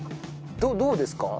どうですか？